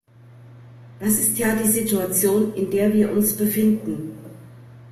Das ist ja die Situation, in der wir uns befinden.